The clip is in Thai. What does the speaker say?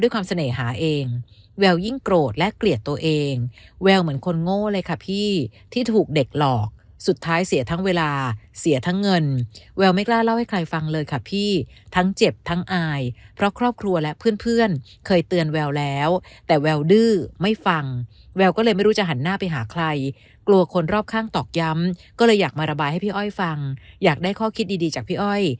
ก็เลยอยากมาระบายให้พี่อ้อยฟังอยากได้ข้อคิดดีจากพี่อ้อย